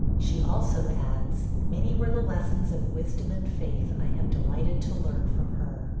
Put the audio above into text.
She also adds, 'Many were the lessons of wisdom and faith I have delighted to learn from her.'